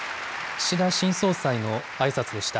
岸田新総裁のあいさつでした。